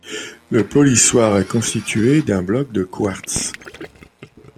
Le polissoir est constitué d'un bloc de quartz.